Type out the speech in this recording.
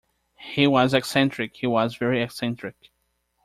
He was eccentric — he was very eccentric.